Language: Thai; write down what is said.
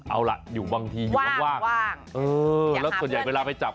เอาล่ะอยู่บางทีอยู่ว่างเออแล้วส่วนใหญ่เวลาไปจับ